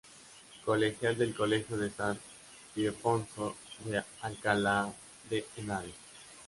Colegial del colegio de San Ildefonso de Alcalá de Henares.